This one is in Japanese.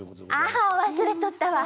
ああ忘れとったわ。